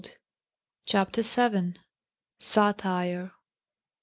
CHAPTER VII. SATIRE.